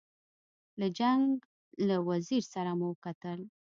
له جنګ له وزیر سره مو وکتل.